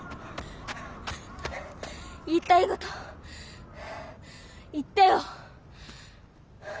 言いたいこと言ってよ！